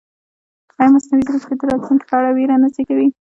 ایا مصنوعي ځیرکتیا د راتلونکي په اړه وېره نه زېږوي؟